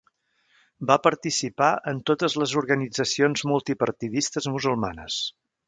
Va participar en totes les organitzacions multipartidistes musulmanes.